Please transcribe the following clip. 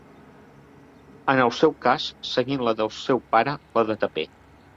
En el seu cas, seguint la del seu pare, la de taper.